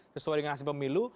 sesuai dengan hasil pemilu